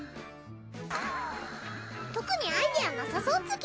特にアイデアなさそうつぎ。